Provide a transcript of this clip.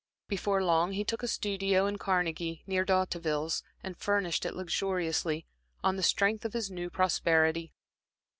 Before long, he took a studio in Carnegie, near D'Hauteville's, and furnished it luxuriously, on the strength of his new prosperity.